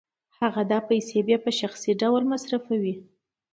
هغه دا پیسې بیا په شخصي ډول مصرفوي